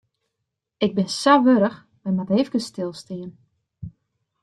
Ik bin sa warch, wy moatte efkes stilstean.